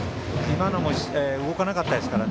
今のも動かなかったですから。